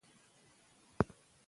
هغې وویل ورزش په سړه هوا کې ګټور دی.